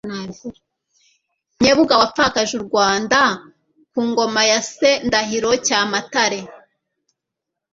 Nyebuga wapfakaje u Rwanda ku ngoma ya Se Ndahiro Cyamatare .